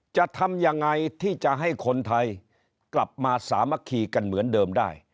จะทำยังไงที่จะให้คนไทยกลับมาสามัคคีกันเหมือนเดิมได้